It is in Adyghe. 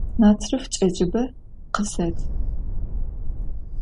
Natrıf ç'ecıbe khıset!